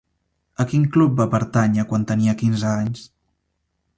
A quin club va pertànyer quan tenia quinze anys?